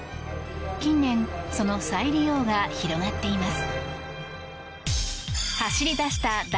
近年、その再利用が広がっています。